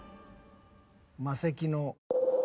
マセキの。